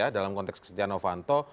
dalam konteks setia novanto